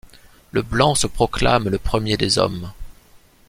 Le blanc se proclame le premier des hommes!